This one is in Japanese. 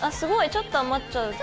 ちょっと余っちゃうけど。